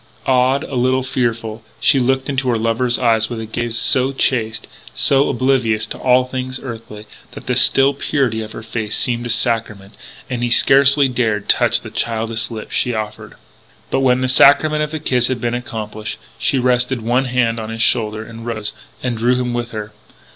Awed, a little fearful, she looked into her lover's eyes with a gaze so chaste, so oblivious to all things earthly, that the still purity of her face seemed a sacrament, and he scarcely dared touch the childish lips she offered. But when the sacrament of the kiss had been accomplished, she rested one hand on his shoulder and rose, and drew him with her.